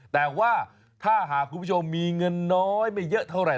แต่ว่าถ้าหากคุณผู้ชมมีเงินน้อยไม่เยอะเท่าไหร